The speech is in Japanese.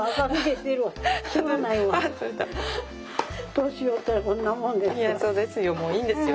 年とったらこんなもんですわ。